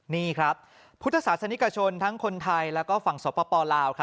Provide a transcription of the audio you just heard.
นี่ครับพุทธศาสนิกชนทั้งคนไทยและฝั่งสปลาว